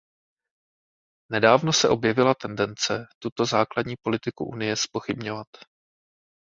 Nedávno se objevila tendence tuto základní politiku Unie zpochybňovat.